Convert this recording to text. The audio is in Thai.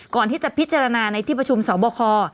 ก่อนที่จะพิจารณาในที่ประชุมสตร์บค